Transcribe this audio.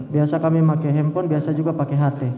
biasa kami pakai handphone biasa juga pakai ht